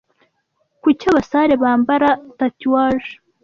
Kuki abasare bambara tatouage